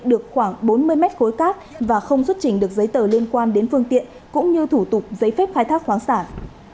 được khoảng bốn mươi mét khối cát và không xuất trình được giấy tờ liên quan đến phương tiện cũng như thủ tục giấy phép khai thác khoáng sản